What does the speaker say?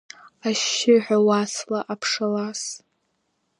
Ашьшьыҳәа уасла, аԥшалас…